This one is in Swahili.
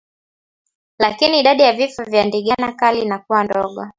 Lakini idadi ya vifo vya ndigana kali inakuwa ndogo